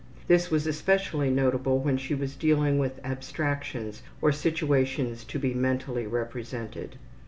This was especially notable when she was dealing with abstractions or situations to be mentally represented.